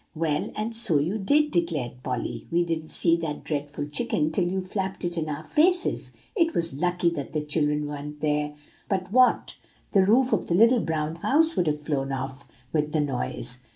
"Well, and so you did," declared Polly; "we didn't see that dreadful chicken till you flapped it in our faces. It was lucky that the children weren't there, or I don't know but what the roof of The Little Brown House would have flown off with the noise."